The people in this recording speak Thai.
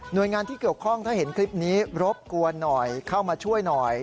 โดยงานที่เกี่ยวข้องถ้าเห็นคลิปนี้รบกวนหน่อยเข้ามาช่วยหน่อย